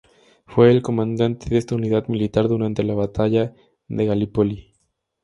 Fue el comandante de esta unidad militar durante la Batalla de Galípoli.